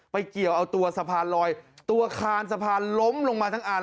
เกี่ยวเอาตัวสะพานลอยตัวคานสะพานล้มลงมาทั้งอัน